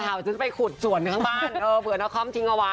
เปล่าจะไปขุดส่วนข้างบ้านเผื่อนคร่องทิ้งเอาไว้